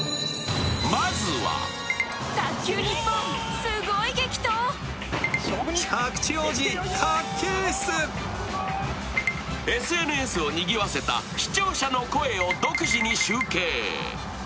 まずはＳＮＳをにぎわせた視聴者の声を独自に集計。